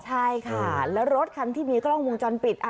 ใช่ค่ะแล้วรถคันที่มีกล้องวงจรปิด